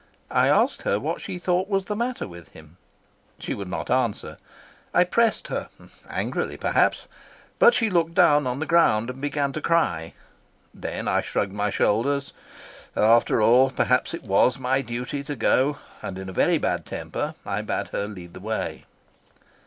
I asked her what she thought was the matter with him. She would not answer. I pressed her, angrily perhaps, but she looked down on the ground and began to cry. Then I shrugged my shoulders; after all, perhaps it was my duty to go, and in a very bad temper I bade her lead the way."